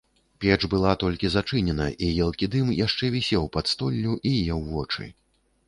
Печ была толькі зачынена, і елкі дым яшчэ вісеў пад столлю і еў вочы.